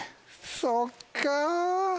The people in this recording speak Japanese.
そっか。